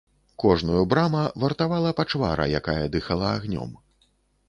Кожную брама вартавала пачвара, якая дыхала агнём.